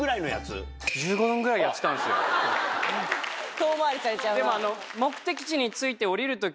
遠回りされちゃうな。